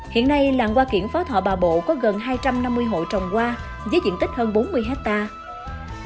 hiện nay làng hoa kiển phó thọ bà bộ có gần hai trăm năm mươi hộ trồng hoa với diện tích hơn bốn mươi hectare